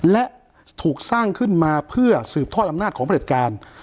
และถูกสร้างขึ้นมาเพื่อสืบทอดอำนาจของพระเด็จการ